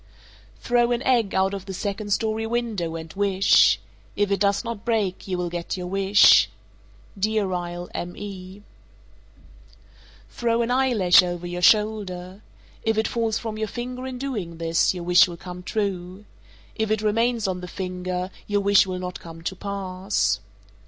_ 436. Throw an egg out of the second story window and wish. If it does not break, you will get your wish. Deer Isle, Me. 437. Throw an eyelash over your shoulder. If it falls from your finger in doing this, your wish will come true. If it remains on the finger, your wish will not come to pass.